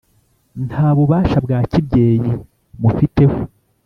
Ntabubasha bwa kibyeyi mufiteho